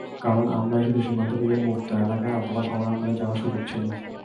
কারণ, আমারই শুধু সীমান্ত পেরিয়ে মুক্ত এলাকায় অথবা সমরাঙ্গনে যাওয়ার সুযোগ ছিল।